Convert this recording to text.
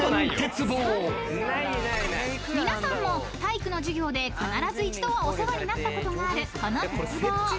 ［皆さんも体育の授業で必ず一度はお世話になったことがあるこの鉄棒］